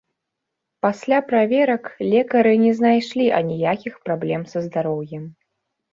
Пасля праверак, лекары не знайшлі аніякіх праблем са здароўем.